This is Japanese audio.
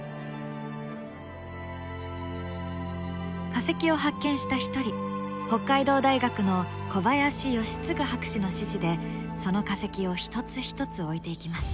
化石を発見した一人北海道大学の小林快次博士の指示でその化石を一つ一つ置いていきます。